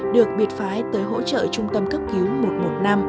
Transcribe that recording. được biệt phái tới hỗ trợ trung tâm cấp cứu một một năm